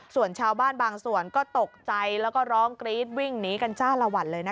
ส่วนชาวบ้านบางส่วนก็ตกใจแล้วก็ร้องกรี๊ดวิ่งหนีกันจ้าละวันเลยนะคะ